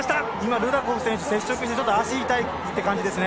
ルダコフ選手、接触して足が痛いって感じですね。